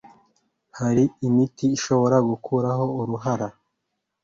Hari imiti ishobora gukuraho uruhara